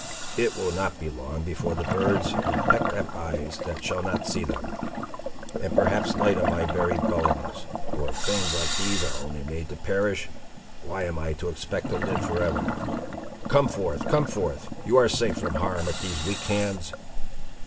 It will not be long afore the birds will peck at eyes that shall not see them, and perhaps light on my very bones; for if things like these are only made to perish, why am I to expect to live for ever? Come forth, come forth; you are safe from harm at these weak hands."